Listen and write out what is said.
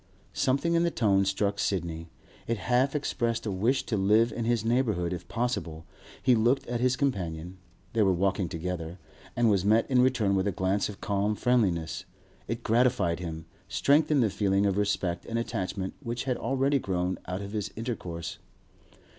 Something in the tone struck Sidney. It half expressed a wish to live in his neighbourhood if possible. He looked at his companion (they were walking together), and was met in return with a glance of calm friendliness; it gratified him, strengthened the feeling of respect and attachment which had already grown out of this intercourse.